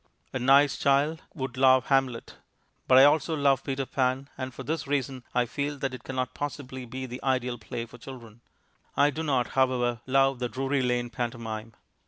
A nice child would love Hamlet. But I also love Peter Pan; and for this reason I feel that it cannot possibly be the ideal play for children. I do not, however, love the Drury Lane pantomime...